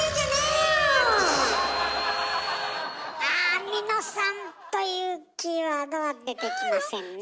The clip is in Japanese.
アミノ酸というキーワードは出てきませんねえ。